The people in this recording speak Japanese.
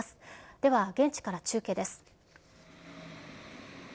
では、現地から中継です。